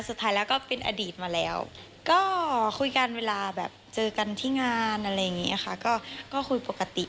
สุดท้ายแล้วก็เป็นอดีตมาแล้วก็คุยกันเวลาแบบเจอกันที่งานอะไรอย่างนี้ค่ะก็คุยปกติ